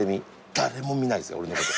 誰も見ないぜ俺のこと。